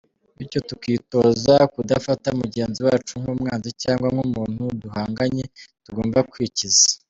Bityo tukitoza kudafata mugenzi wacu nk’umwanzi cyangwa nk’umuntu duhanganye tugomba kwikiza.